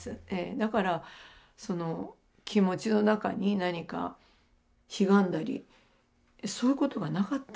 だからその気持ちの中に何かひがんだりそういうことはなかったみたいですね。